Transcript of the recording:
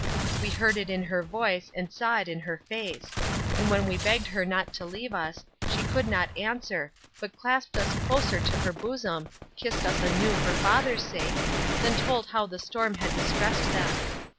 We heard it in her voice and saw it in her face; and when we begged her not to leave us, she could not answer, but clasped us closer to her bosom, kissed us anew for father's sake, then told how the storm had distressed them.